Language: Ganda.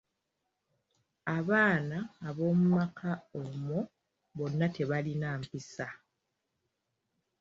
Abaana abomu maka omwo bonna tebalina mpisa.